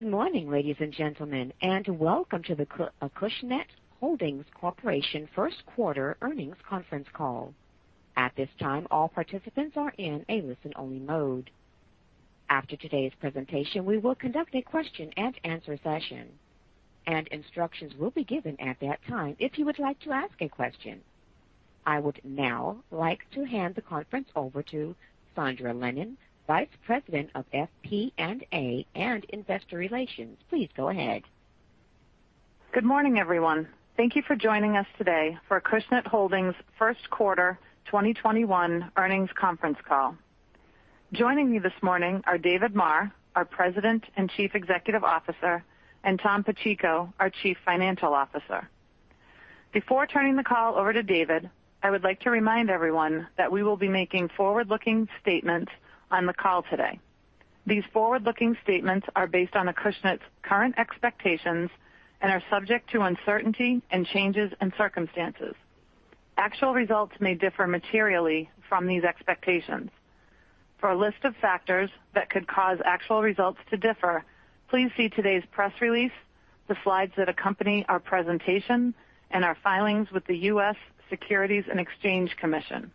Good morning, ladies and gentlemen, and welcome to the Acushnet Holdings Corp. first quarter earnings conference call. At this time, all participants are in a listen-only mode. After today's presentation, we will conduct a question-and-answer session, and instructions will be given at that time if you would like to ask a question. I would now like to hand the conference over to Sondra Lennon, Vice President of FP&A and Investor Relations. Please go ahead. Good morning, everyone. Thank you for joining us today for Acushnet Holdings' first quarter 2021 earnings conference call. Joining me this morning are David Maher, our President and Chief Executive Officer, and Thomas Pacheco, our Chief Financial Officer. Before turning the call over to David, I would like to remind everyone that we will be making forward-looking statements on the call today. These forward-looking statements are based on Acushnet's current expectations and are subject to uncertainty and changes in circumstances. Actual results may differ materially from these expectations. For a list of factors that could cause actual results to differ, please see today's press release, the slides that accompany our presentation, and our filings with the U.S. Securities and Exchange Commission.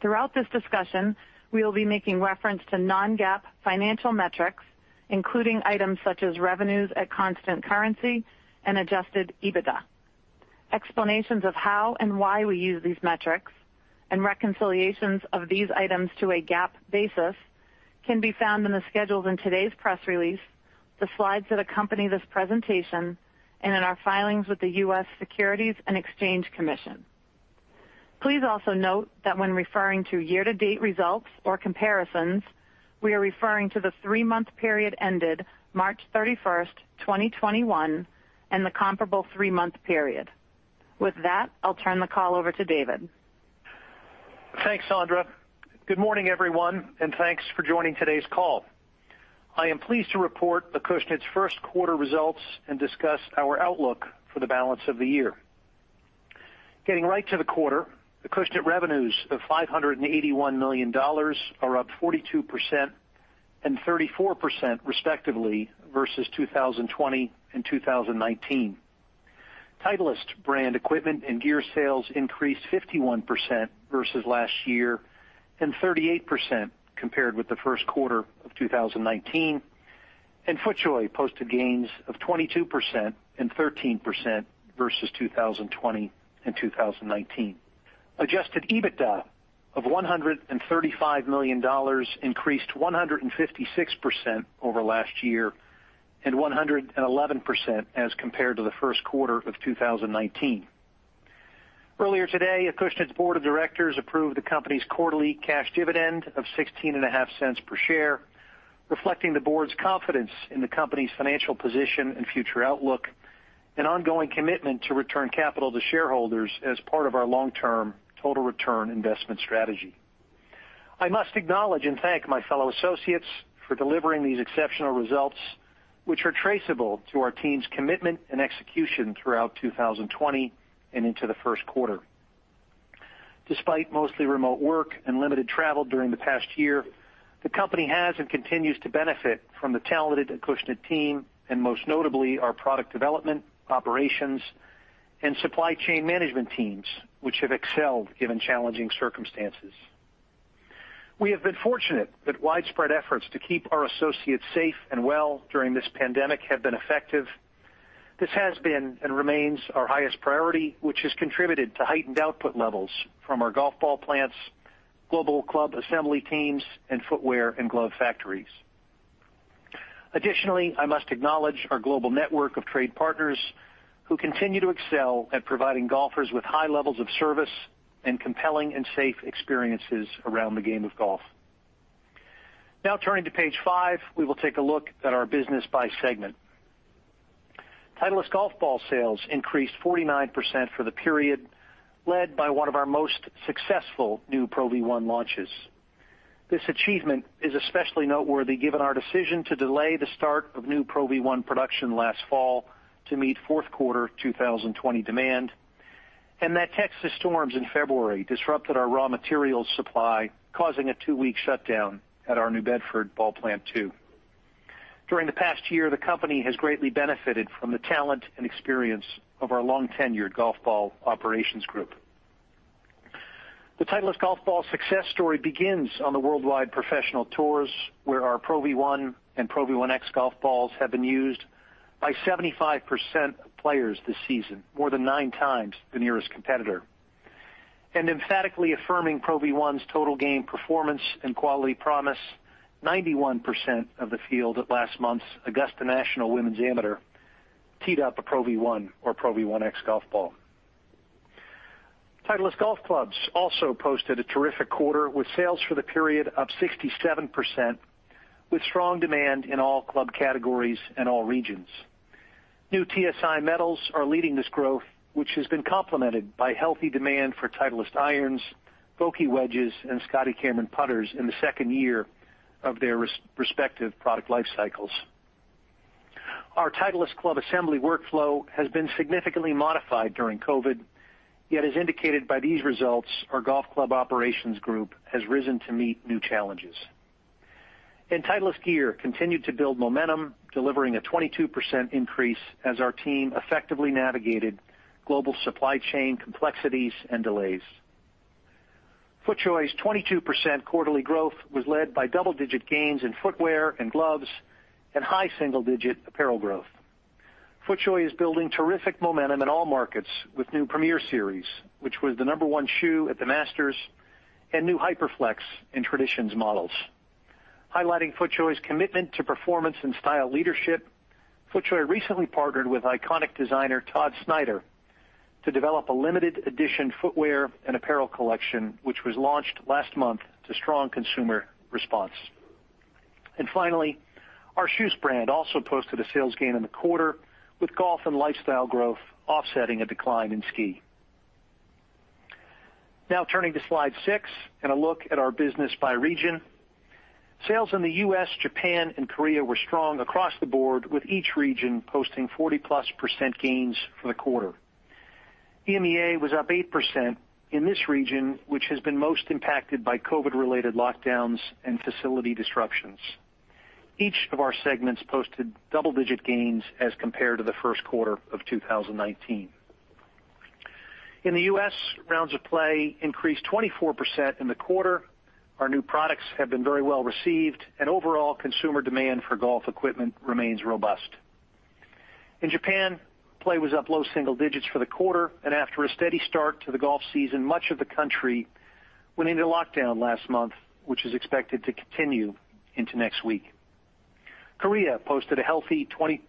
Throughout this discussion, we will be making reference to non-GAAP financial metrics, including items such as revenues at constant currency and adjusted EBITDA. Explanations of how and why we use these metrics, and reconciliations of these items to a GAAP basis can be found in the schedules in today's press release, the slides that accompany this presentation, and in our filings with the U.S. Securities and Exchange Commission. Please also note that when referring to year-to-date results or comparisons, we are referring to the three-month period ended March 31st, 2021, and the comparable three-month period. With that, I'll turn the call over to David. Thanks, Sondra. Good morning, everyone, and thanks for joining today's call. I am pleased to report Acushnet's first quarter results and discuss our outlook for the balance of the year. Getting right to the quarter, Acushnet revenues of $581 million are up 42% and 34% respectively versus 2020 and 2019. Titleist brand equipment and gear sales increased 51% versus last year and 38% compared with the first quarter of 2019, and FootJoy posted gains of 22% and 13% versus 2020 and 2019. Adjusted EBITDA of $135 million increased 156% over last year and 111% as compared to the first quarter of 2019. Earlier today, Acushnet's board of directors approved the company's quarterly cash dividend of $0.165 per share, reflecting the board's confidence in the company's financial position and future outlook and ongoing commitment to return capital to shareholders as part of our long-term total return investment strategy. I must acknowledge and thank my fellow associates for delivering these exceptional results, which are traceable to our team's commitment and execution throughout 2020 and into the first quarter. Despite mostly remote work and limited travel during the past year, the company has and continues to benefit from the talented Acushnet team and most notably, our product development, operations, and supply chain management teams, which have excelled given challenging circumstances. We have been fortunate that widespread efforts to keep our associates safe and well during this pandemic have been effective. This has been and remains our highest priority, which has contributed to heightened output levels from our golf ball plants, global club assembly teams, and footwear and glove factories. Additionally, I must acknowledge our global network of trade partners who continue to excel at providing golfers with high levels of service and compelling and safe experiences around the game of golf. Now turning to page five, we will take a look at our business by segment. Titleist golf ball sales increased 49% for the period, led by one of our most successful new Pro V1 launches. This achievement is especially noteworthy given our decision to delay the start of new Pro V1 production last fall to meet fourth quarter 2020 demand, and that Texas storms in February disrupted our raw materials supply, causing a two-week shutdown at our New Bedford Ball Plant 2. During the past year, the company has greatly benefited from the talent and experience of our long-tenured golf ball operations group. The Titleist golf ball success story begins on the worldwide professional tours, where our Pro V1 and Pro V1x golf balls have been used by 75% of players this season, more than nine times the nearest competitor, and emphatically affirming Pro V1's total game performance and quality promise, 91% of the field at last month's Augusta National Women's Amateur teed up a Pro V1 or Pro V1x golf ball. Titleist golf clubs also posted a terrific quarter with sales for the period up 67%, with strong demand in all club categories and all regions. New TSi metals are leading this growth, which has been complemented by healthy demand for Titleist irons, Vokey wedges, and Scotty Cameron putters in the second year of their respective product life cycles. Our Titleist club assembly workflow has been significantly modified during COVID. Yet as indicated by these results, our golf club operations group has risen to meet new challenges. Titleist gear continued to build momentum, delivering a 22% increase as our team effectively navigated global supply chain complexities and delays. FootJoy's 22% quarterly growth was led by double-digit gains in footwear and gloves and high single-digit apparel growth. FootJoy is building terrific momentum in all markets with new Premiere Series, which was the number one shoe at the Masters, and new HyperFlex and Traditions models. Highlighting FootJoy's commitment to performance and style leadership, FootJoy recently partnered with iconic designer Todd Snyder to develop a limited edition footwear and apparel collection, which was launched last month to strong consumer response. Finally, our Shoes brand also posted a sales gain in the quarter, with golf and lifestyle growth offsetting a decline in ski. Now turning to slide six and a look at our business by region. Sales in the U.S., Japan, and Korea were strong across the board, with each region posting 40%+ gains for the quarter. EMEA was up 8% in this region, which has been most impacted by COVID-related lockdowns and facility disruptions. Each of our segments posted double-digit gains as compared to the first quarter of 2019. In the U.S., rounds of play increased 24% in the quarter. Our new products have been very well received, and overall consumer demand for golf equipment remains robust. In Japan, play was up low single digits for the quarter, and after a steady start to the golf season, much of the country went into lockdown last month, which is expected to continue into next week. Korea posted a healthy 20%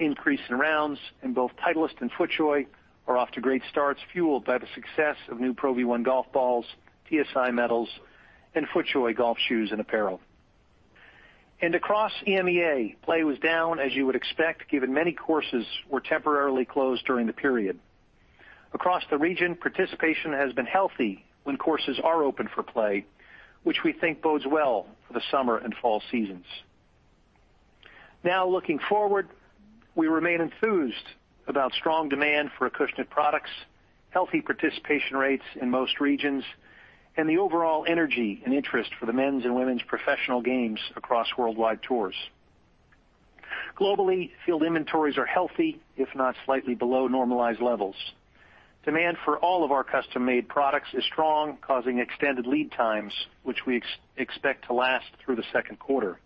increase in rounds, both Titleist and FootJoy are off to great starts, fueled by the success of new Pro V1 golf balls, TSi metals, and FootJoy golf shoes and apparel. Across EMEA, play was down, as you would expect, given many courses were temporarily closed during the period. Across the region, participation has been healthy when courses are open for play, which we think bodes well for the summer and fall seasons. Looking forward, we remain enthused about strong demand for Acushnet products, healthy participation rates in most regions, and the overall energy and interest for the men's and women's professional games across worldwide tours. Globally, field inventories are healthy, if not slightly below normalized levels. Demand for all of our custom-made products is strong, causing extended lead times, which we expect to last through the second quarter.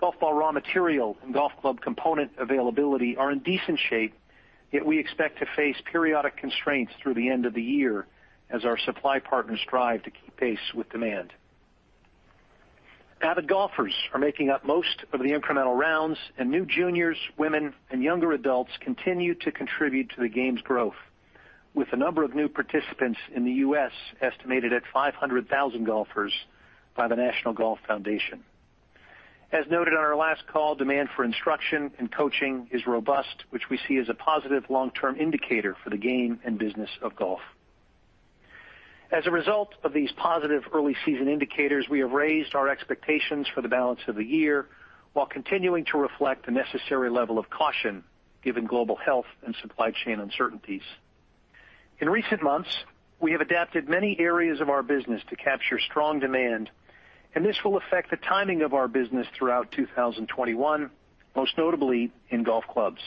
Golf ball raw material and golf club component availability are in decent shape, yet we expect to face periodic constraints through the end of the year as our supply partners strive to keep pace with demand. Avid golfers are making up most of the incremental rounds, and new juniors, women, and younger adults continue to contribute to the game's growth, with the number of new participants in the U.S. estimated at 500,000 golfers by the National Golf Foundation. As noted on our last call, demand for instruction and coaching is robust, which we see as a positive long-term indicator for the game and business of golf. As a result of these positive early season indicators, we have raised our expectations for the balance of the year while continuing to reflect the necessary level of caution given global health and supply chain uncertainties. In recent months, we have adapted many areas of our business to capture strong demand, and this will affect the timing of our business throughout 2021, most notably in golf clubs.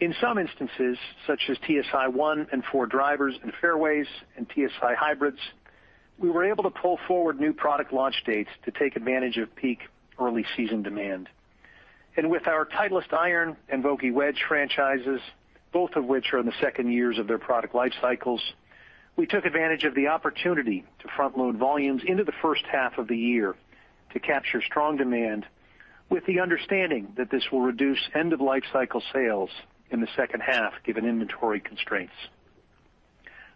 In some instances, such as TSi1 and 4 drivers and fairways and TSi hybrids, we were able to pull forward new product launch dates to take advantage of peak early season demand. With our Titleist iron and Vokey wedge franchises, both of which are in the second years of their product life cycles, we took advantage of the opportunity to front-load volumes into the first half of the year to capture strong demand, with the understanding that this will reduce end-of-life-cycle sales in the second half, given inventory constraints.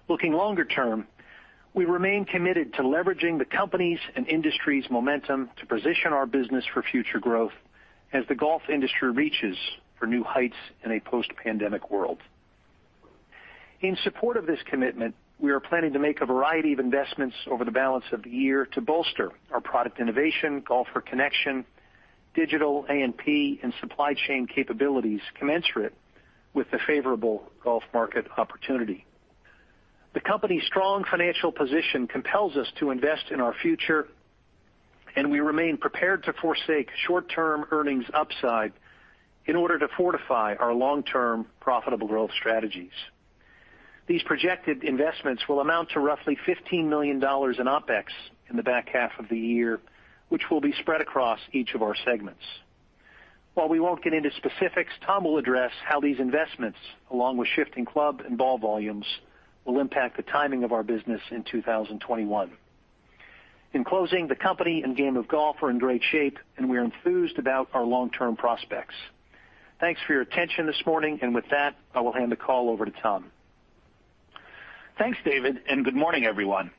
Looking longer term, we remain committed to leveraging the companies' and industry's momentum to position our business for future growth as the golf industry reaches for new heights in a post-pandemic world. In support of this commitment, we are planning to make a variety of investments over the balance of the year to bolster our product innovation, golfer connection, digital A&P, and supply chain capabilities commensurate with the favorable golf market opportunity. The company's strong financial position compels us to invest in our future, and we remain prepared to forsake short-term earnings upside in order to fortify our long-term profitable growth strategies. These projected investments will amount to roughly $15 million in OpEx in the back half of the year, which will be spread across each of our segments. While we won't get into specifics, Tom will address how these investments, along with shifting club and ball volumes, will impact the timing of our business in 2021. In closing, the company and game of golf are in great shape, we're enthused about our long-term prospects. Thanks for your attention this morning. With that, I will hand the call over to Tom. Thanks, David, and good morning, everyone.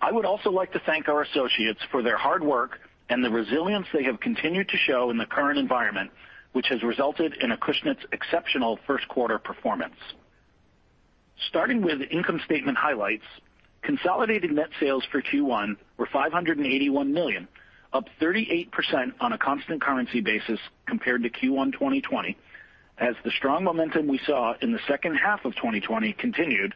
I would also like to thank our associates for their hard work and the resilience they have continued to show in the current environment, which has resulted in Acushnet's exceptional first quarter performance. Starting with income statement highlights, consolidated net sales for Q1 were $581 million, up 38% on a constant currency basis compared to Q1 2020, as the strong momentum we saw in the second half of 2020 continued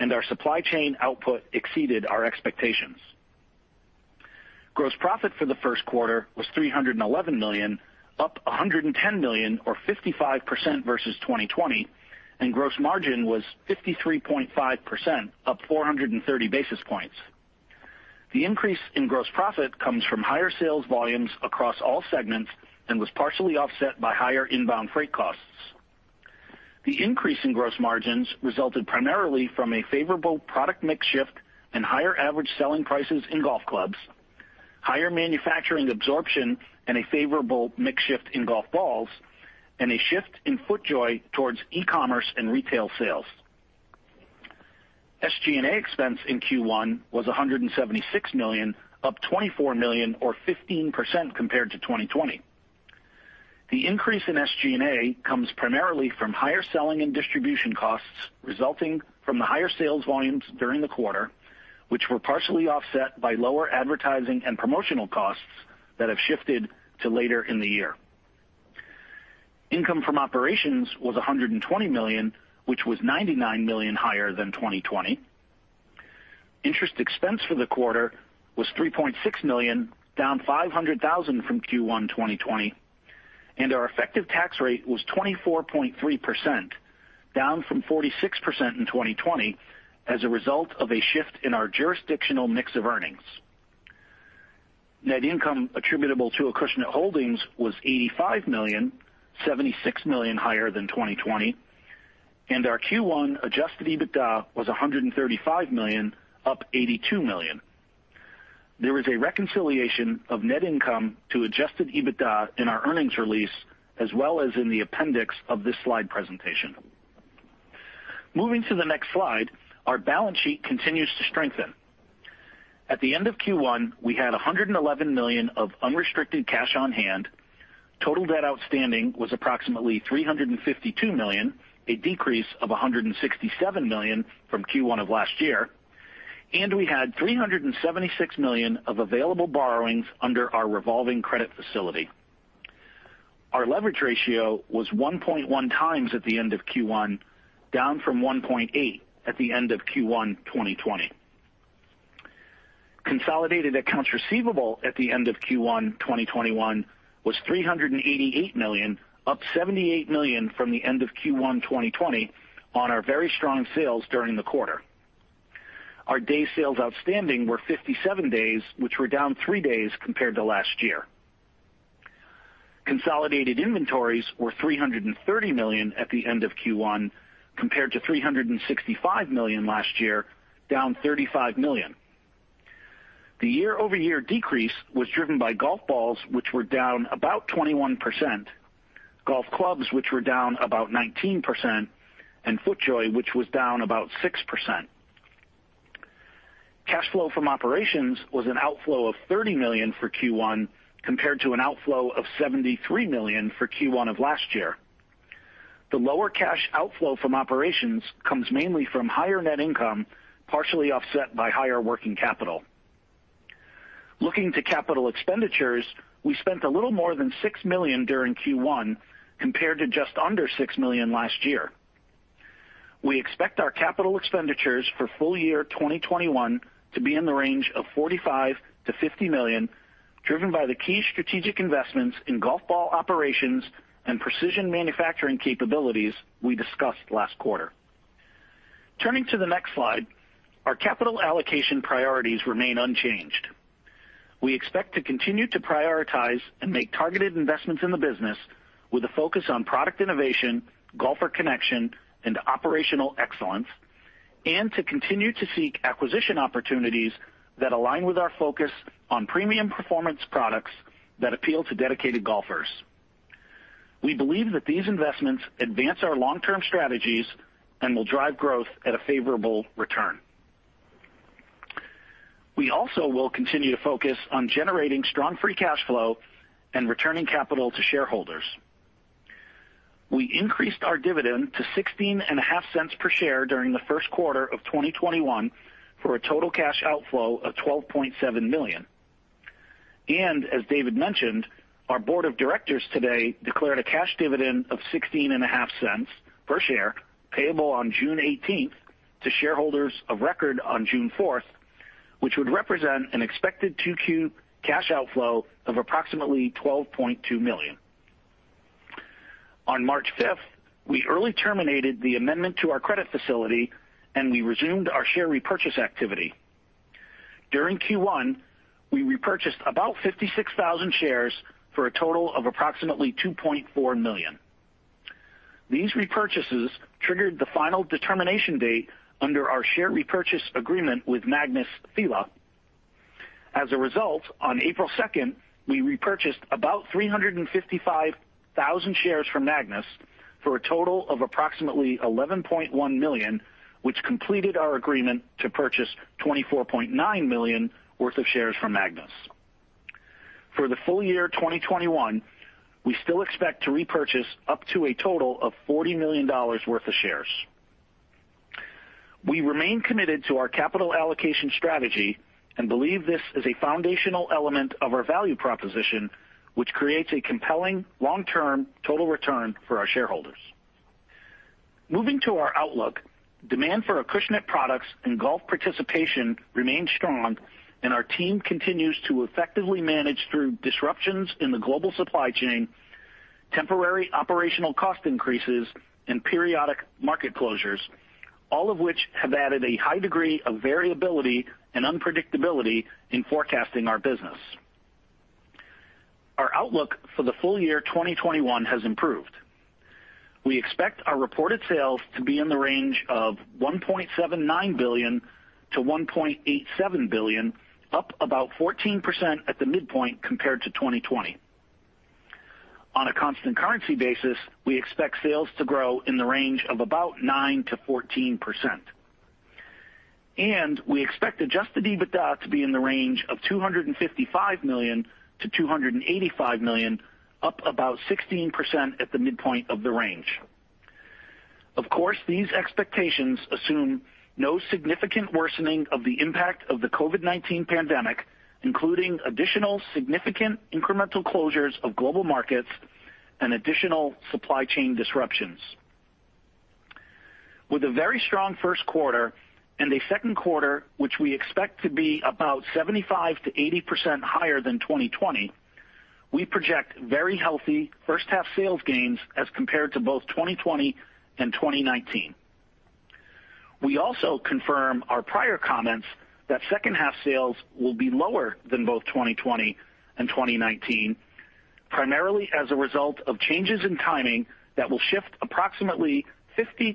and our supply chain output exceeded our expectations. Gross profit for the first quarter was $311 million, up $110 million or 55% versus 2020, and gross margin was 53.5%, up 430 basis points. The increase in gross profit comes from higher sales volumes across all segments and was partially offset by higher inbound freight costs. The increase in gross margins resulted primarily from a favorable product mix shift and higher average selling prices in golf clubs, higher manufacturing absorption and a favorable mix shift in golf balls, and a shift in FootJoy towards e-commerce and retail sales. SG&A expense in Q1 was $176 million, up $24 million or 15% compared to 2020. The increase in SG&A comes primarily from higher selling and distribution costs resulting from the higher sales volumes during the quarter, which were partially offset by lower advertising and promotional costs that have shifted to later in the year. Income from operations was $120 million, which was $99 million higher than 2020. Interest expense for the quarter was $3.6 million, down $500,000 from Q1 2020, and our effective tax rate was 24.3%, down from 46% in 2020 as a result of a shift in our jurisdictional mix of earnings. Net income attributable to Acushnet Holdings was $85 million, $76 million higher than 2020. Our Q1 adjusted EBITDA was $135 million, up $82 million. There is a reconciliation of net income to adjusted EBITDA in our earnings release as well as in the appendix of this slide presentation. Moving to the next slide, our balance sheet continues to strengthen. At the end of Q1, we had $111 million of unrestricted cash on hand. Total debt outstanding was approximately $352 million, a decrease of $167 million from Q1 of last year, and we had $376 million of available borrowings under our revolving credit facility. Our leverage ratio was 1.1x at the end of Q1, down from 1.8x at the end of Q1 2020. Consolidated accounts receivable at the end of Q1 2021 was $388 million, up $78 million from the end of Q1 2020 on our very strong sales during the quarter. Our day sales outstanding were 57 days, which were down three days compared to last year. Consolidated inventories were $330 million at the end of Q1 compared to $365 million last year, down $35 million. The year-over-year decrease was driven by golf balls, which were down about 21%, golf clubs, which were down about 19%, and FootJoy, which was down about 6%. Cash flow from operations was an outflow of $30 million for Q1 compared to an outflow of $73 million for Q1 of last year. The lower cash outflow from operations comes mainly from higher net income, partially offset by higher working capital. Looking to capital expenditures, we spent a little more than $6 million during Q1 compared to just under $6 million last year. We expect our capital expenditures for full year 2021 to be in the range of $45 million-$50 million, driven by the key strategic investments in golf ball operations and precision manufacturing capabilities we discussed last quarter. Turning to the next slide, our capital allocation priorities remain unchanged. We expect to continue to prioritize and make targeted investments in the business with a focus on product innovation, golfer connection, and operational excellence, to continue to seek acquisition opportunities that align with our focus on premium performance products that appeal to dedicated golfers. We believe that these investments advance our long-term strategies and will drive growth at a favorable return. We also will continue to focus on generating strong free cash flow and returning capital to shareholders. We increased our dividend to $0.165 per share during the first quarter of 2021 for a total cash outflow of $12.7 million. As David mentioned, our board of directors today declared a cash dividend of $0.165 per share payable on June 18th to shareholders of record on June 4th, which would represent an expected 2Q cash outflow of approximately $12.2 million. On March 5th, we early terminated the amendment to our credit facility, and we resumed our share repurchase activity. During Q1, we repurchased about 56,000 shares for a total of approximately $2.4 million. These repurchases triggered the final determination date under our share repurchase agreement with Magnus. As a result, on April 2nd, we repurchased about 355,000 shares from Magnus for a total of approximately $11.1 million, which completed our agreement to purchase $24.9 million worth of shares from Magnus. For the full year 2021, we still expect to repurchase up to a total of $40 million worth of shares. We remain committed to our capital allocation strategy and believe this is a foundational element of our value proposition, which creates a compelling long-term total return for our shareholders. Moving to our outlook, demand for Acushnet products and golf participation remains strong, and our team continues to effectively manage through disruptions in the global supply chain, temporary operational cost increases, and periodic market closures, all of which have added a high degree of variability and unpredictability in forecasting our business. Our outlook for the full year 2021 has improved. We expect our reported sales to be in the range of $1.79 billion-$1.87 billion, up about 14% at the midpoint compared to 2020. On a constant currency basis, we expect sales to grow in the range of about 9%-14%. We expect adjusted EBITDA to be in the range of $255 million-$285 million, up about 16% at the midpoint of the range. Of course, these expectations assume no significant worsening of the impact of the COVID-19 pandemic, including additional significant incremental closures of global markets and additional supply chain disruptions. With a very strong first quarter and a second quarter, which we expect to be about 75%-80% higher than 2020, we project very healthy first half sales gains as compared to both 2020 and 2019. We also confirm our prior comments that second half sales will be lower than both 2020 and 2019, primarily as a result of changes in timing that will shift approximately $50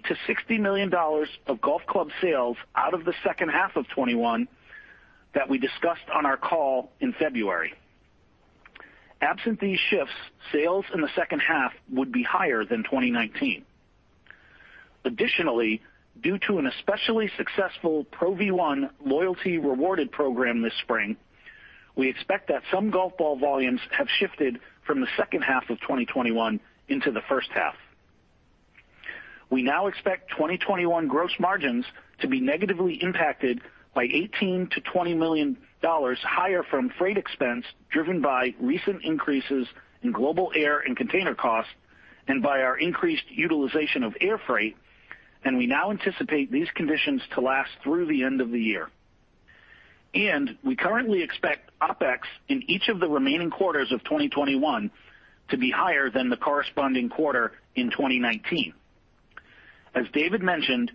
million-$60 million of golf club sales out of the second half of 2021 that we discussed on our call in February. Absent these shifts, sales in the second half would be higher than 2019. Additionally, due to an especially successful Pro V1 Loyalty Rewarded program this spring, we expect that some golf ball volumes have shifted from the second half of 2021 into the first half. We now expect 2021 gross margins to be negatively impacted by $18 million-$20 million higher from freight expense, driven by recent increases in global air and container costs and by our increased utilization of air freight. We now anticipate these conditions to last through the end of the year. We currently expect OpEx in each of the remaining quarters of 2021 to be higher than the corresponding quarter in 2019. As David mentioned,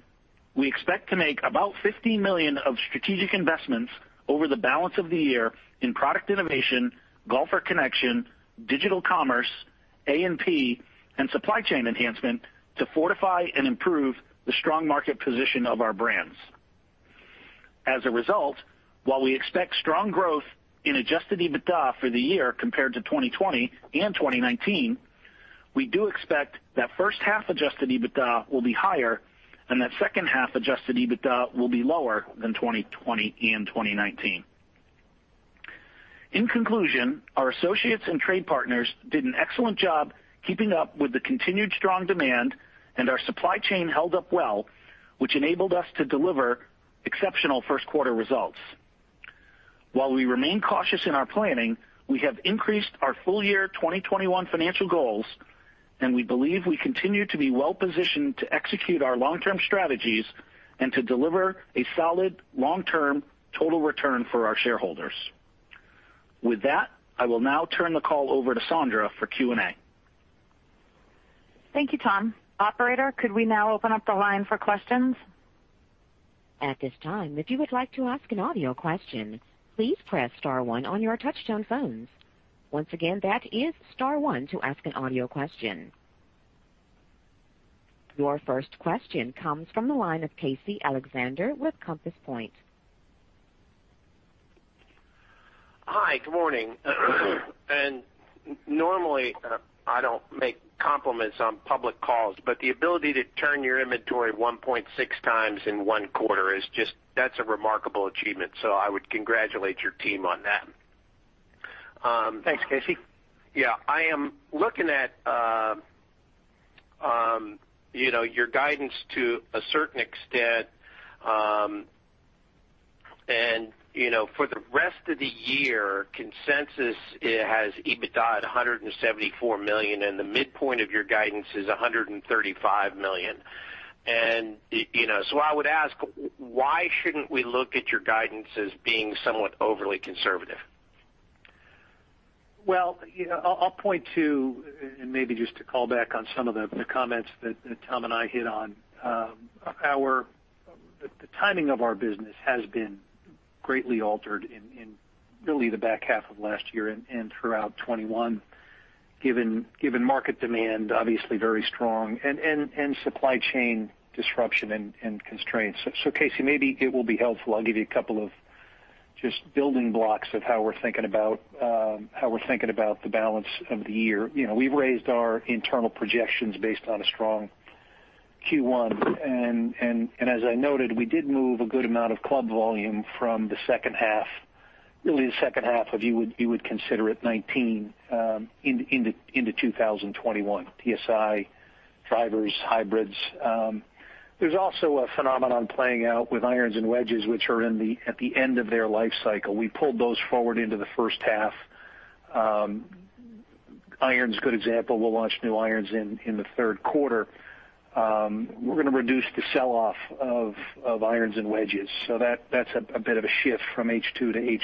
we expect to make about $15 million of strategic investments over the balance of the year in product innovation, golfer connection, digital commerce, A&P, and supply chain enhancement to fortify and improve the strong market position of our brands. As a result, while we expect strong growth in adjusted EBITDA for the year compared to 2020 and 2019, we do expect that first half adjusted EBITDA will be higher and that second half adjusted EBITDA will be lower than 2020 and 2019. In conclusion, our associates and trade partners did an excellent job keeping up with the continued strong demand, and our supply chain held up well, which enabled us to deliver exceptional first quarter results. While we remain cautious in our planning, we have increased our full year 2021 financial goals, and we believe we continue to be well-positioned to execute our long-term strategies and to deliver a solid long-term total return for our shareholders. With that, I will now turn the call over to Sondra for Q&A. Thank you, Tom. Operator, could we now open up the line for questions? At this time, if you would like to ask an audio question, please press star one on your touchtone phones. Once again, that is star one to ask an audio question. Your first question comes from the line of Casey Alexander with Compass Point. Hi, good morning. Normally, I don't make compliments on public calls, but the ability to turn your inventory 1.6x in one quarter, that's a remarkable achievement. I would congratulate your team on that. Thanks, Casey. Yeah. I am looking at your guidance to a certain extent, and for the rest of the year, consensus has EBITDA at $174 million, and the midpoint of your guidance is $135 million. I would ask, why shouldn't we look at your guidance as being somewhat overly conservative? I'll point to, and maybe just to call back on some of the comments that Tom and I hit on, the timing of our business has been greatly altered in really the back half of last year and throughout 2021, given market demand, obviously very strong, and supply chain disruption and constraints. Casey, maybe it will be helpful, I'll give you a couple of just building blocks of how we're thinking about the balance of the year. We've raised our internal projections based on a strong As I noted, we did move a good amount of club volume from the second half. Really the second half, if you would consider it, 2019 into 2021. TSi, drivers, hybrids. There's also a phenomenon playing out with irons and wedges, which are at the end of their life cycle. We pulled those forward into the first half. Iron is a good example. We'll launch new irons in the third quarter. We're going to reduce the sell-off of irons and wedges. That's a bit of a shift from H2 to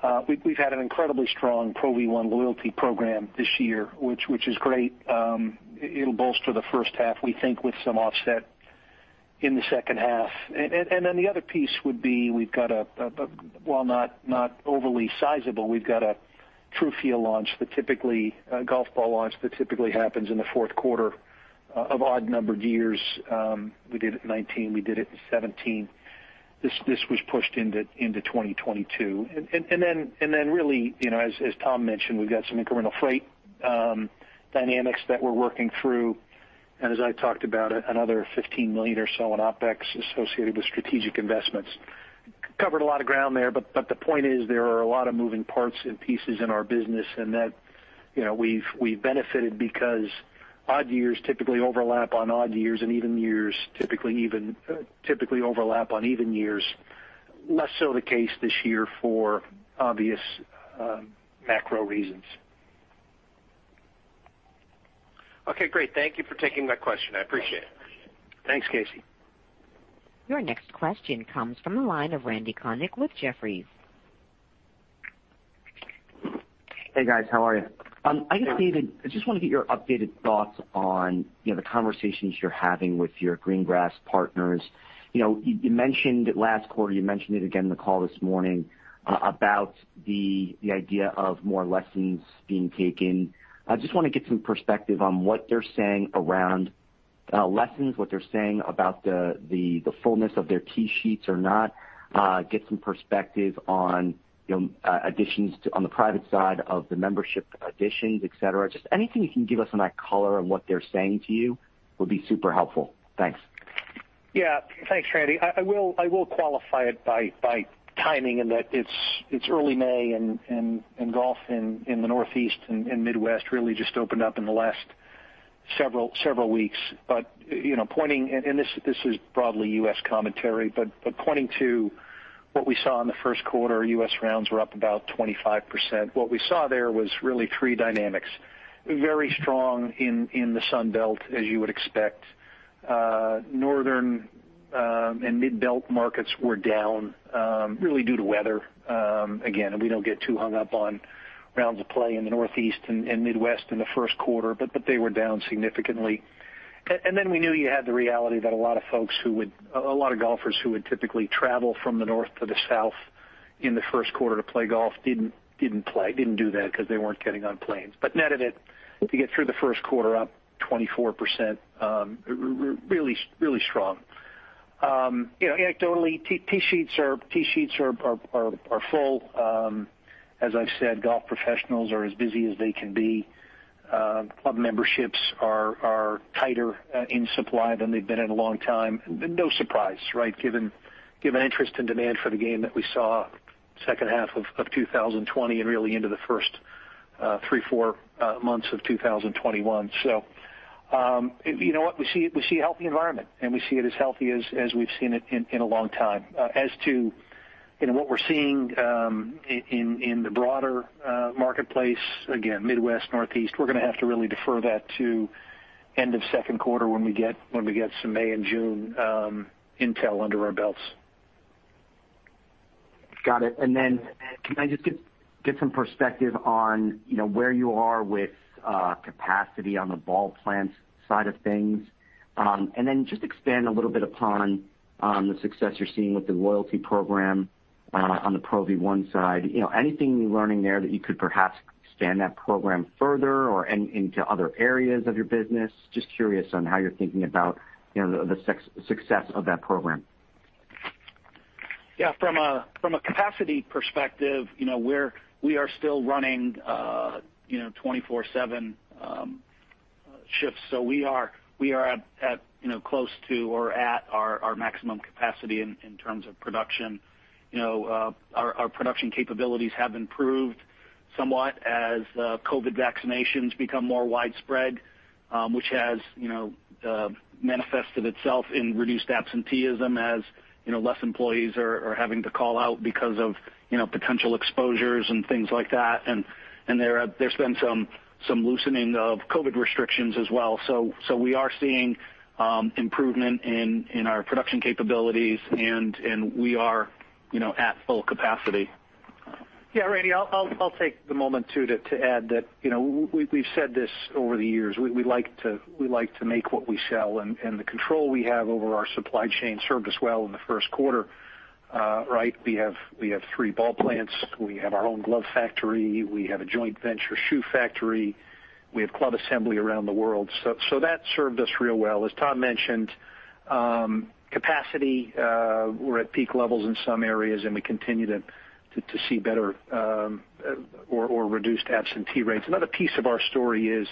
H1. We've had an incredibly strong Pro V1 loyalty program this year, which is great. It'll bolster the first half, we think, with some offset in the second half. The other piece would be we've got a, while not overly sizable, we've got a TruFeel golf ball launch that typically happens in the fourth quarter of odd-numbered years. We did it in 2019. We did it in 2017. This was pushed into 2022. Really, as Tom mentioned, we've got some incremental freight dynamics that we're working through. As I talked about, another $15 million or so in OpEx associated with strategic investments. Covered a lot of ground there, but the point is there are a lot of moving parts and pieces in our business and that we've benefited because odd years typically overlap on odd years, and even years typically overlap on even years. Less so the case this year for obvious macro reasons. Okay, great. Thank you for taking my question. I appreciate it. Thanks, Casey. Your next question comes from the line of Randal Konik with Jefferies. Hey, guys. How are you? I guess, David, I just want to get your updated thoughts on the conversations you're having with your green grass partners. Last quarter, you mentioned it again in the call this morning about the idea of more lessons being taken. I just want to get some perspective on what they're saying around lessons, what they're saying about the fullness of their tee sheets or not, get some perspective on additions on the private side of the membership additions, et cetera. Just anything you can give us on that color of what they're saying to you would be super helpful. Thanks. Yeah. Thanks, Randal. I will qualify it by timing in that it's early May and golf in the Northeast and Midwest really just opened up in the last several weeks. This is broadly U.S. commentary, but pointing to what we saw in the first quarter, U.S. rounds were up about 25%. What we saw there was really three dynamics, very strong in the Sun Belt, as you would expect. Northern and Mid-Belt markets were down really due to weather. Again, we don't get too hung up on rounds of play in the Northeast and Midwest in the first quarter, but they were down significantly. We knew you had the reality that a lot of golfers who would typically travel from the north to the south in the first quarter to play golf didn't play, didn't do that because they weren't getting on planes. Net of it, to get through the first quarter up 24%, really strong. Anecdotally, tee sheets are full. As I've said, golf professionals are as busy as they can be. Club memberships are tighter in supply than they've been in a long time. No surprise, given interest and demand for the game that we saw second half of 2020, and really into the first three, four months of 2021. You know what. We see a healthy environment, and we see it as healthy as we've seen it in a long time. As to what we're seeing in the broader marketplace, again, Midwest, Northeast, we're going to have to really defer that to end of second quarter when we get some May and June intel under our belts. Got it. Can I just get some perspective on where you are with capacity on the ball plant side of things? Just expand a little bit upon the success you're seeing with the loyalty program on the Pro V1 side. Anything you're learning there that you could perhaps expand that program further or into other areas of your business? Just curious on how you're thinking about the success of that program. Yeah. From a capacity perspective, we are still running 24/7 shifts. We are at close to or at our maximum capacity in terms of production. Our production capabilities have improved somewhat as COVID vaccinations become more widespread, which has manifested itself in reduced absenteeism as less employees are having to call out because of potential exposures and things like that. There's been some loosening of COVID restrictions as well. We are seeing improvement in our production capabilities, and we are at full capacity. Yeah, Randal, I'll take the moment, too, to add that we've said this over the years. We like to make what we sell, and the control we have over our supply chain served us well in the first quarter. We have three ball plants. We have our own glove factory. We have a joint venture shoe factory. We have club assembly around the world. That served us real well. As Tom mentioned, capacity. We're at peak levels in some areas, and we continue to see better or reduced absentee rates. Another piece of our story is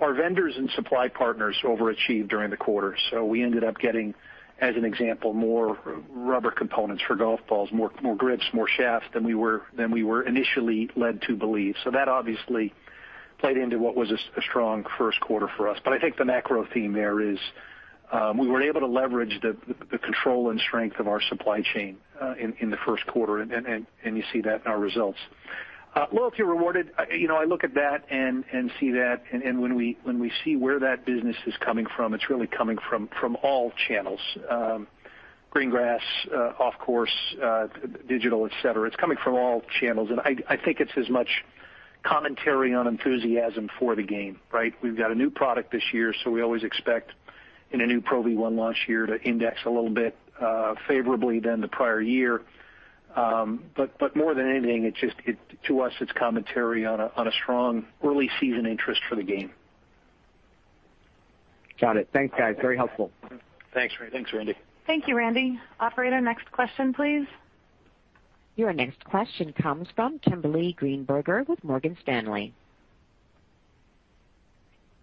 our vendors and supply partners overachieved during the quarter. We ended up getting, as an example, more rubber components for golf balls, more grips, more shafts than we were initially led to believe. That obviously played into what was a strong first quarter for us. I think the macro theme there is we were able to leverage the control and strength of our supply chain in the first quarter, and you see that in our results. Loyalty Rewarded, I look at that and see that, and when we see where that business is coming from, it's really coming from all channels. Green grass, off course, digital, et cetera. It's coming from all channels, and I think it's as much commentary on enthusiasm for the game, right? We've got a new product this year, so we always expect in a new Pro V1 launch here to index a little bit, favorably than the prior year. More than anything, to us, it's commentary on a strong early season interest for the game. Got it. Thanks, guys. Very helpful. Thanks, Randal. Thank you, Randal. Operator, next question, please. Your next question comes from Kimberly Greenberger with Morgan Stanley.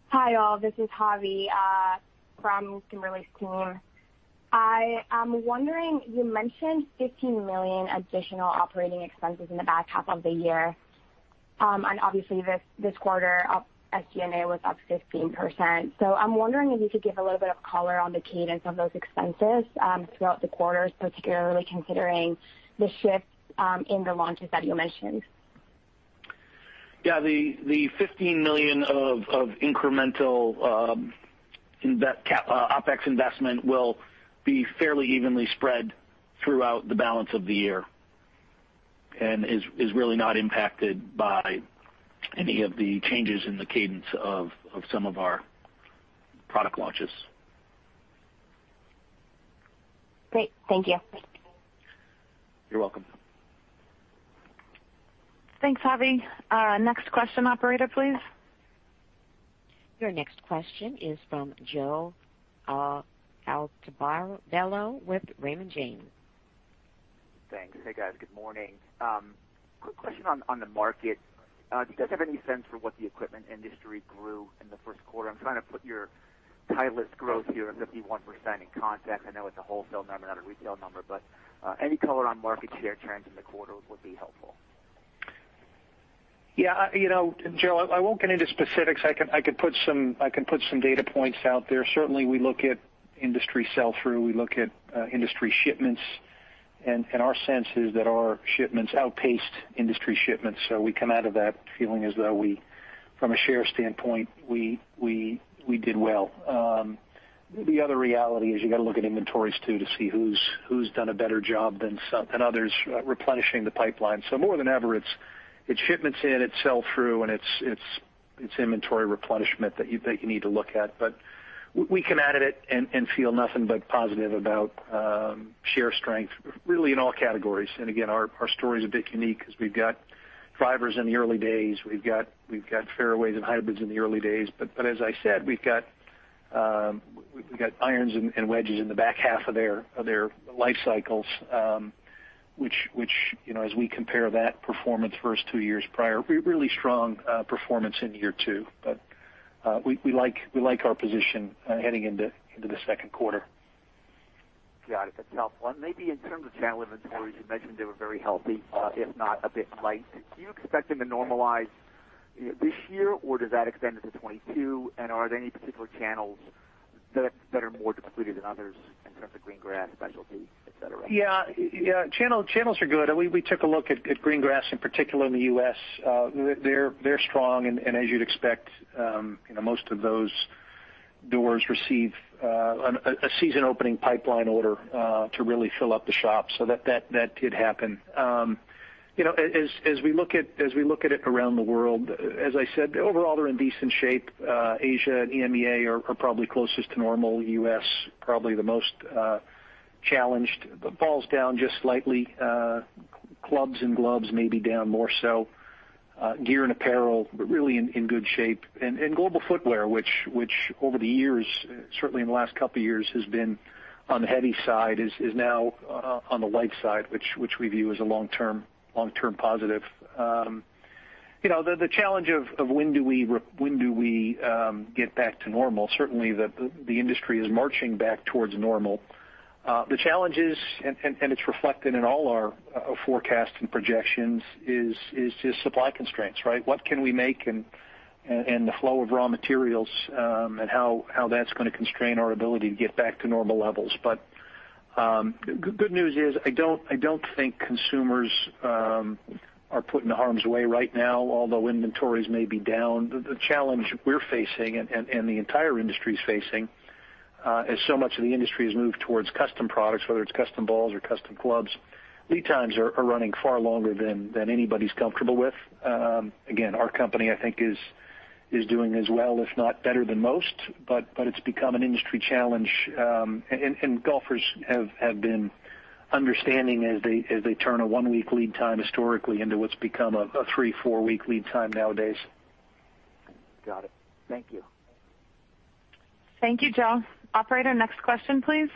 Hi, all. This is Javi, from Kimberly's team. I am wondering, you mentioned $15 million additional operating expenses in the back half of the year. Obviously, this quarter, SG&A was up 15%. I'm wondering if you could give a little bit of color on the cadence of those expenses, throughout the quarter, particularly considering the shifts in the launches that you mentioned. Yeah. The $15 million of incremental OpEx investment will be fairly evenly spread throughout the balance of the year and is really not impacted by any of the changes in the cadence of some of our product launches. Great. Thank you. You're welcome. Thanks, Javi. Next question, operator, please. Your next question is from Joseph Altobello with Raymond James. Thanks. Hey, guys. Good morning. Quick question on the market. Do you guys have any sense for what the equipment industry grew in the first quarter? I'm trying to put your Titleist growth here of 51% in context. I know it's a wholesale number, not a retail number, but any color on market share trends in the quarter would be helpful. Yeah. Joe, I won't get into specifics. I can put some data points out there. Certainly, we look at industry sell-through, we look at industry shipments, and our sense is that our shipments outpaced industry shipments. We come out of that feeling as though from a share standpoint, we did well. The other reality is you got to look at inventories too, to see who's done a better job than others replenishing the pipeline. More than ever, it's shipments in, it's sell-through, and it's inventory replenishment that you need to look at. We come at it and feel nothing but positive about share strength, really in all categories. Again, our story's a bit unique because we've got drivers in the early days. We've got fairways and hybrids in the early days. As I said, we've got irons and wedges in the back half of their life cycles, which, as we compare that performance versus two years prior, really strong performance in year two. We like our position heading into the second quarter. Got it. That's a tough one. Maybe in terms of channel inventories, you mentioned they were very healthy, if not a bit light. Do you expect them to normalize this year, or does that extend into 2022? Are there any particular channels that are more depleted than others in terms of green grass, specialty, et cetera? Yeah. Channels are good. We took a look at green grass, in particular in the U.S. They're strong and as you'd expect, most of those doors receive a season opening pipeline order, to really fill up the shop. That did happen. As we look at it around the world, as I said, overall, they're in decent shape. Asia and EMEA are probably closest to normal. U.S. probably the most challenged. Balls down just slightly, clubs and gloves maybe down more so. Gear and apparel, really in good shape. Global footwear, which over the years, certainly in the last couple of years, has been on the heavy side, is now on the light side, which we view as a long-term positive. The challenge of when do we get back to normal, certainly the industry is marching back towards normal. The challenges, and it's reflected in all our forecasts and projections, is just supply constraints, right? What can we make and the flow of raw materials, and how that's going to constrain our ability to get back to normal levels. Good news is I don't think consumers are put in harm's way right now, although inventories may be down. The challenge we're facing and the entire industry is facing, as so much of the industry has moved towards custom products, whether it's custom balls or custom clubs, lead times are running far longer than anybody's comfortable with. Again, our company, I think is doing as well, if not better than most, but it's become an industry challenge. Golfers have been understanding as they turn a one-week lead time historically into what's become a three, four-week lead time nowadays. Got it. Thank you. Thank you, Joe. Operator, next question, please.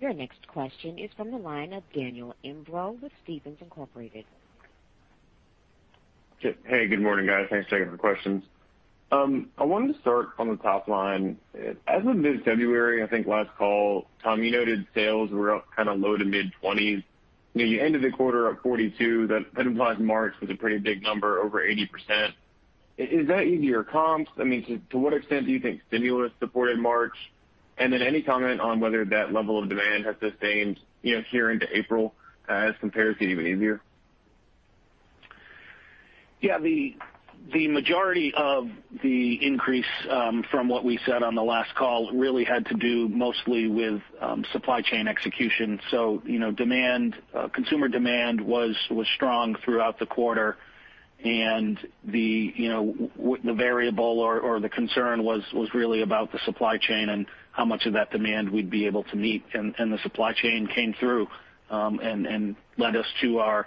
Your next question is from the line of Daniel Imbro with Stephens Inc. Hey, good morning, guys. Thanks for taking the questions. I wanted to start on the top line. As of mid-February, I think last call, Tom, you noted sales were up low to mid-20s. You ended the quarter up 42. That implies March was a pretty big number, over 80%. Is that easier comps? To what extent do you think stimulus supported March? And then any comment on whether that level of demand has sustained here into April as compares get even easier? The majority of the increase from what we said on the last call really had to do mostly with supply chain execution. Consumer demand was strong throughout the quarter, and the variable or the concern was really about the supply chain and how much of that demand we'd be able to meet. The supply chain came through and led us to our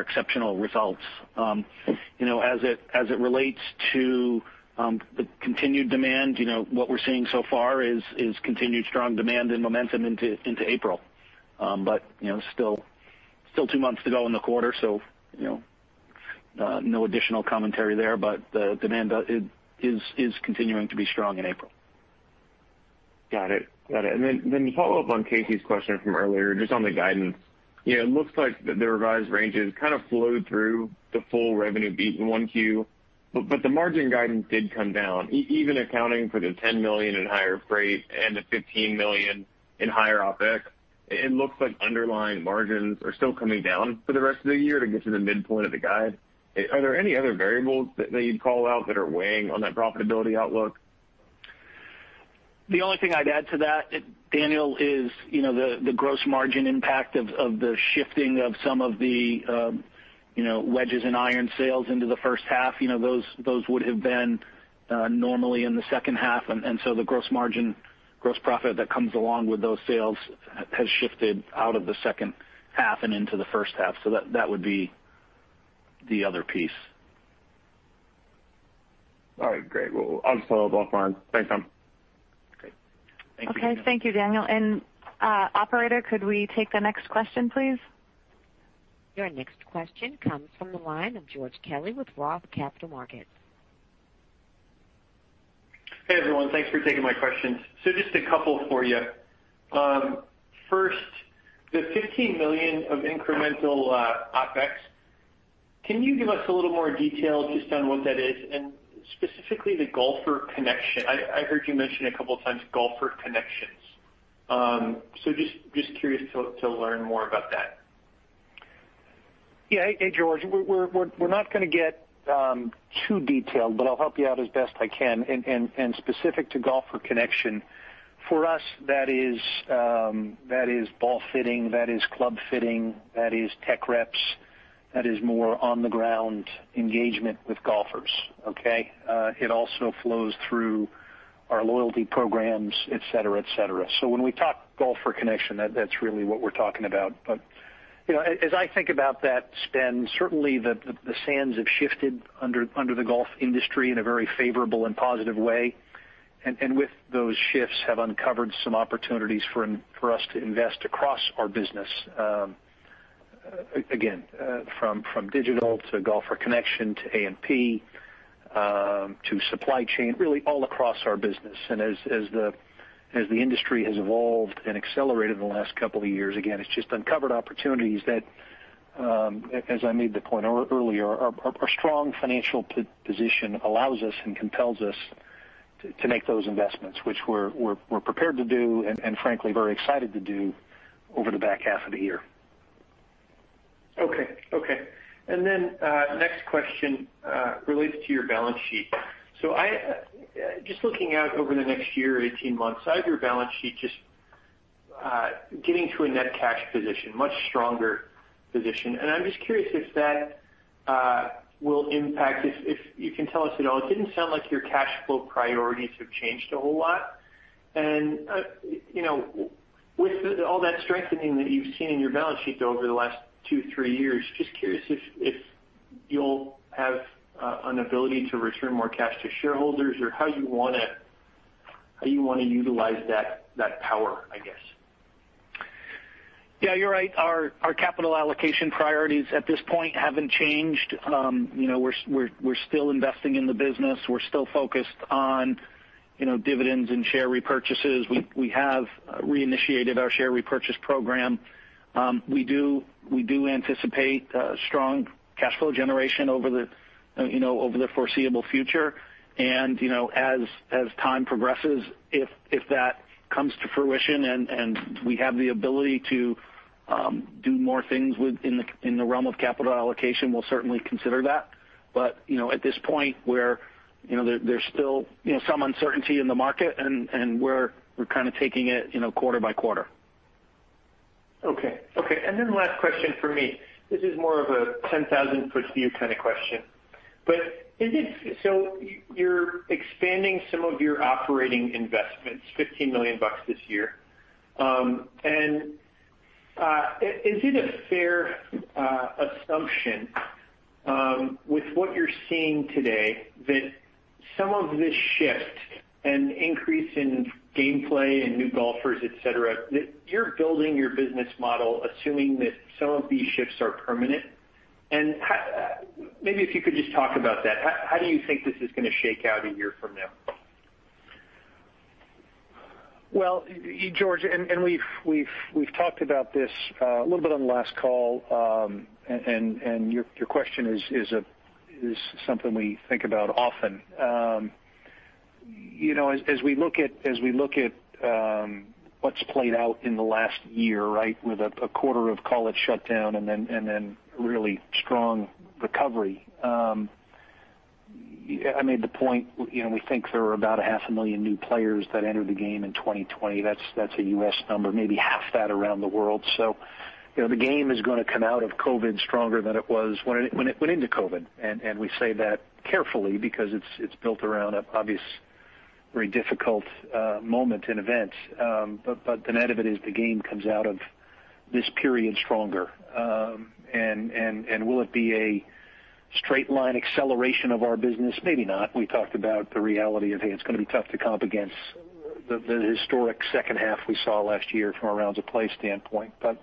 exceptional results. As it relates to the continued demand, what we're seeing so far is continued strong demand and momentum into April. Still two months to go in the quarter, so no additional commentary there, but the demand is continuing to be strong in April. Got it. To follow up on Casey's question from earlier, just on the guidance. It looks like the revised ranges kind of flowed through the full revenue beat in 1Q, but the margin guidance did come down. Even accounting for the $10 million in higher freight and the $15 million in higher OpEx, it looks like underlying margins are still coming down for the rest of the year to get to the midpoint of the guide. Are there any other variables that you'd call out that are weighing on that profitability outlook? The only thing I'd add to that, Daniel, is the gross margin impact of the shifting of some of the wedges and iron sales into the first half. Those would have been normally in the second half. The gross margin, gross profit that comes along with those sales has shifted out of the second half and into the first half. That would be the other piece. All right, great. Well, I'll just follow up offline. Thanks, Tom. Great. Thank you. Okay. Thank you, Daniel. Operator, could we take the next question, please? Your next question comes from the line of George Kelly with Roth Capital Partners. Hey, everyone. Thanks for taking my questions. Just a couple for you. First, the $15 million of incremental OpEx. Can you give us a little more detail just on what that is and specifically the golfer connection? I heard you mention a couple of times golfer connections. Just curious to learn more about that. Hey, George. We're not going to get too detailed, but I'll help you out as best I can. Specific to golfer connection, for us, that is ball fitting, that is club fitting, that is tech reps, that is more on the ground engagement with golfers. Okay? It also flows through our loyalty programs, et cetera. When we talk golfer connection, that's really what we're talking about. As I think about that spend, certainly the sands have shifted under the golf industry in a very favorable and positive way. With those shifts have uncovered some opportunities for us to invest across our business. Again, from digital to golfer connection to A&P, to supply chain, really all across our business. As the industry has evolved and accelerated in the last couple of years, again, it's just uncovered opportunities that, as I made the point earlier, our strong financial position allows us and compels us to make those investments, which we're prepared to do and frankly, very excited to do over the back half of the year. Okay. Next question relates to your balance sheet. Just looking out over the next year, 18 months, either balance sheet just getting to a net cash position, much stronger position. I'm just curious if that will impact, if you can tell us at all. It didn't sound like your cash flow priorities have changed a whole lot. With all that strengthening that you've seen in your balance sheet over the last two, three years, just curious if you'll have an ability to return more cash to shareholders or how you want to utilize that power, I guess. Yeah, you're right. Our capital allocation priorities at this point haven't changed. We're still investing in the business. We're still focused on dividends and share repurchases. We have reinitiated our share repurchase program. We do anticipate strong cash flow generation over the foreseeable future. As time progresses, if that comes to fruition and we have the ability to do more things within the realm of capital allocation, we'll certainly consider that. At this point there's still some uncertainty in the market, and we're kind of taking it quarter by quarter. Okay. Last question for me, this is more of a 10,000 ft view kind of question. You're expanding some of your operating investments, $15 million this year. Is it a fair assumption with what you're seeing today that some of this shift and increase in gameplay and new golfers, et cetera, that you're building your business model assuming that some of these shifts are permanent? Maybe if you could just talk about that, how do you think this is going to shake out a year from now? Well, George, we've talked about this a little bit on the last call. Your question is something we think about often. As we look at what's played out in the last year with a quarter of call it shutdown and then really strong recovery. I made the point, we think there are about a half a million new players that entered the game in 2020. That's a U.S. number, maybe half that around the world. The game is going to come out of COVID stronger than it was when it went into COVID. We say that carefully because it's built around an obvious, very difficult moment in events. The net of it is the game comes out of this period stronger. Will it be a straight line acceleration of our business? Maybe not. We talked about the reality of, hey, it's going to be tough to comp against the historic second half we saw last year from a rounds of play standpoint. Hey,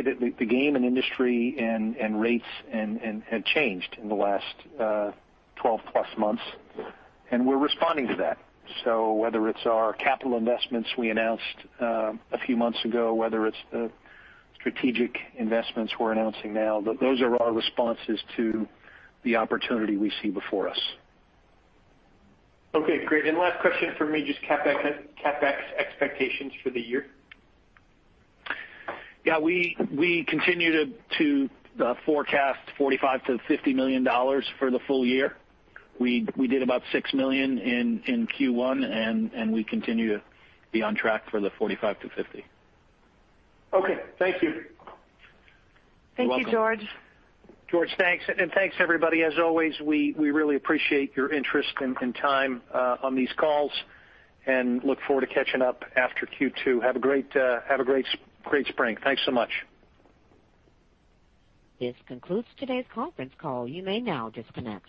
the game and industry and rates had changed in the last 12+ months, and we're responding to that. Whether it's our capital investments we announced a few months ago, whether it's the strategic investments we're announcing now, those are our responses to the opportunity we see before us. Okay, great. Last question for me, just CapEx expectations for the year. Yeah, we continue to forecast $45 million-$50 million for the full year. We did about $6 million in Q1. We continue to be on track for the $45 million-$50 million. Okay. Thank you. Thank you, George. George, thanks. Thanks, everybody. As always, we really appreciate your interest and time on these calls, and look forward to catching up after Q2. Have a great spring. Thanks so much. This concludes today's conference call. You may now disconnect.